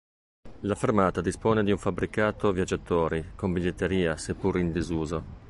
La fermata dispone di un fabbricato viaggiatori con biglietteria, seppur in disuso.